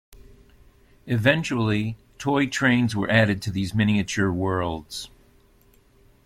Eventually, toy trains were added to these miniature worlds.